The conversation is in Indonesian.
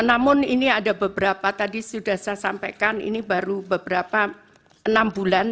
namun ini ada beberapa tadi sudah saya sampaikan ini baru beberapa enam bulan